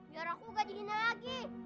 biar aku gak dihina lagi